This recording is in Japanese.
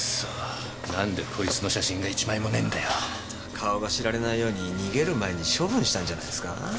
顔が知られないように逃げる前に処分したんじゃないすか？